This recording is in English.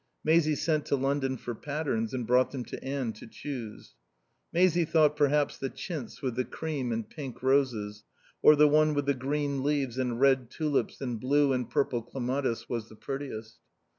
Maisie sent to London for patterns and brought them to Anne to choose. Maisie thought perhaps the chintz with the cream and pink roses, or the one with the green leaves and red tulips and blue and purple clematis was the prettiest.